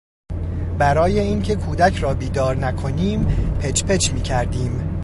برای اینکه کودک را بیدار نکنیم پچ پچ میکردیم.